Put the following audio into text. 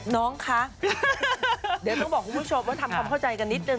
น้องภร์ค่ะเดี๋ยวบอกคุณผู้ชมว่าทำความเข้าใจของนะนิดนึง